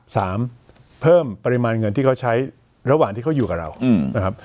เพิ่มปริมาณเงินที่เขาใช้ระหว่างที่เขาอยู่กับเรานะครับ